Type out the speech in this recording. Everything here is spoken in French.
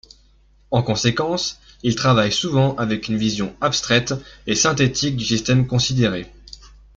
En conséquence, il travaille souvent avec une vision abstraite et synthétique du système considéré.